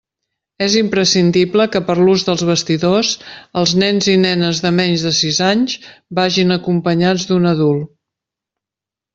És imprescindible que per l'ús dels vestidors, els nens i nenes de menys de sis anys vagin acompanyats d'un adult.